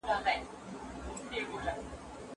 د کار ځواک د مهارتونو لوړول د بازار اړتیا ده.